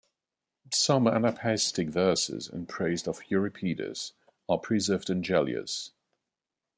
Some anapaestic verses in praise of Euripides are preserved in Gellius.